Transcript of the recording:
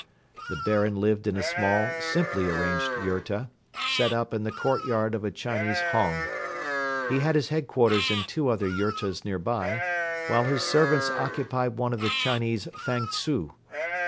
The Baron lived in a small, simply arranged yurta, set up in the courtyard of a Chinese hong. He had his headquarters in two other yurtas nearby, while his servants occupied one of the Chinese fang tzu.